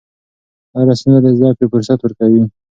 هره ستونزه د زدهکړې فرصت ورکوي.